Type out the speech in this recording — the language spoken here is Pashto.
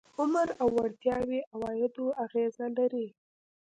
عمر او وړتیاوې عوایدو اغېز لري.